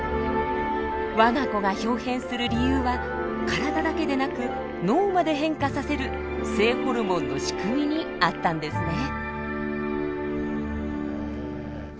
わが子が豹変する理由は体だけでなく脳まで変化させる性ホルモンのしくみにあったんですね。